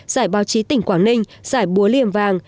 giải báo chí tỉnh quảng ninh giải búa liềm vàng